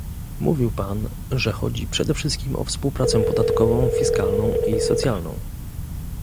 Mówił Pan, że chodzi przede wszystkim o współpracę podatkową, fiskalną i socjalną